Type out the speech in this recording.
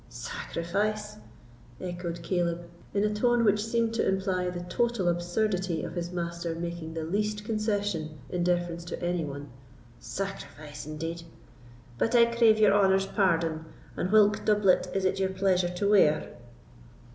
"Sacrifice!" echoed Caleb, in a tone which seemed to imply the total absurdity of his master making the least concession in deference to any one—"sacrifice, indeed!—but I crave your honour's pardon, and whilk doublet is it your pleasure to wear?"